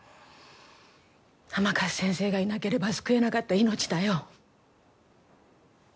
甘春先生がいなければ救えなかった命だよ。